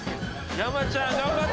ヤマちゃん頑張れ。